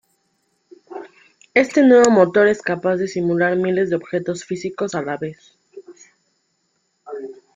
Este nuevo motor es capaz de simular miles de objetos físicos a la vez.